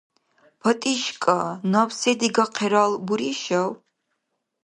ПатӀишкӀа, наб се дигахъирал буришав?